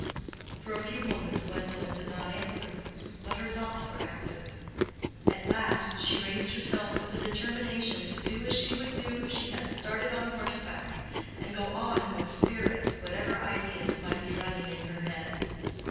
For a few moments Gwendolen did not answer, but her thoughts were active. At last she raised herself with a determination to do as she would do if she had started on horseback, and go on with spirit, whatever ideas might be running in her head.